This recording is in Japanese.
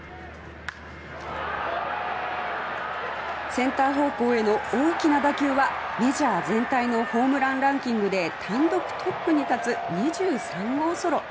センター方向への大きな打球はメジャー全体のホームランランキングで単独トップに立つ２３号ソロ。